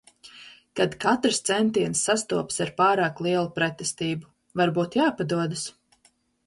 Kad katrs centiens sastopas ar pārāk lielu pretestību. Varbūt jāpadodas.